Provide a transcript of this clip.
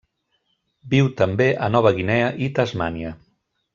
Viu també a Nova Guinea i Tasmània.